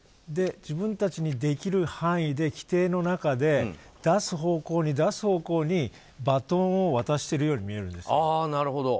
自分たちにできる範囲で規定の中で出す方向に、出す方向にバトンを渡しているように見えるんです。